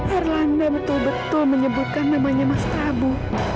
erlangga betul betul menyebutkan namanya mas prabu